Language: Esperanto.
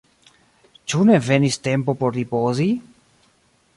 ĉu ne venis tempo por ripozi?